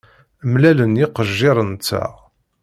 Mlalen yiqejjiren-nteɣ.